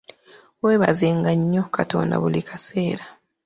Weebaze nga nnyo Katonda buli kaseera.